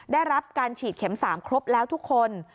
ได้รับการฉีดเข็ม๓ครบแล้วทุกคน